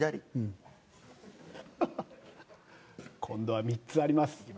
今度は３つあります。